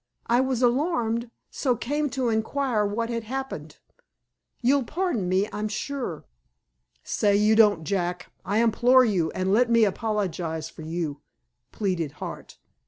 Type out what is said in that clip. I was alarmed, so came to inquire what had happened. You'll pardon me, I'm sure." "Say you don't, Jack, I implore you, and let me apologize for you," pleaded Hart.